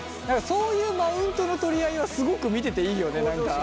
そういうマウントの取り合いはすごく見てていいよね何か。